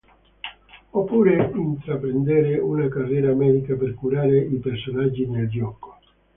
Oppure intraprendere una carriera medica per curare i personaggi nel gioco.